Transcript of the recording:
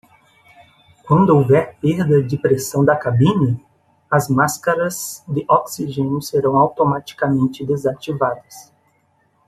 Quando houver perda de pressão da cabine?, as máscaras de oxigênio serão automaticamente desativadas.